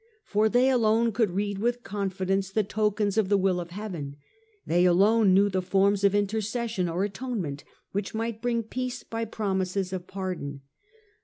For they alone could read with confidence the tokens of the will of heaven, they alone knew the forms of intercession or atonement which might bring peace by promises of pardon.